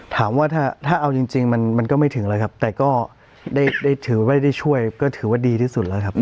ถามว่าถ้าเอาจริงมันก็ไม่ถึงแล้วครับแต่ก็ได้ถือไม่ได้ช่วยก็ถือว่าดีที่สุดแล้วครับ